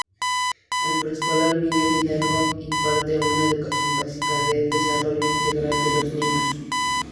El Preescolar Miguel Hidalgo, imparte una educación básica del desarrollo integral de los niños.